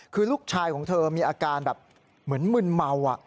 คือลูกชายของเธอมีอาการแบบเหมือนมึนเมา